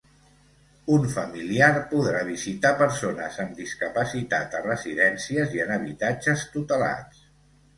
Un familiar podrà visitar persones amb discapacitat a residències i en habitatges tutelats.